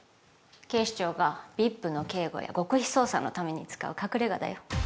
警視庁がＶＩＰの警護や極秘捜査のために使う隠れ家だよ